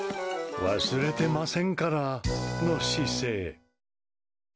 忘れてませんから！の姿勢。